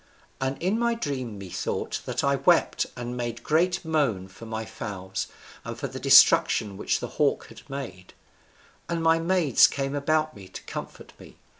And in my dream methought that I wept and made great moan for my fowls, and for the destruction which the hawk had made; and my maids came about me to comfort me.